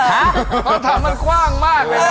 คำถามมันกว้างมากเลย